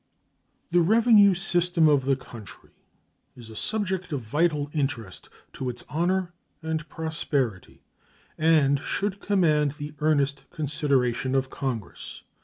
The revenue system of the country is a subject of vital interest to its honor and prosperity, and should command the earnest consideration of Congress.